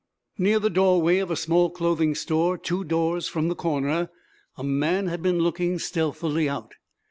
Near the doorway of a small clothing store, two doors from the corner, a man had been looking stealthily out.